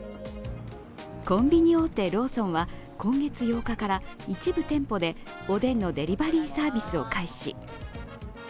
コンビニ大手ローソンは今月８日から、一部店舗でおでんのデリバリーサービスを開始。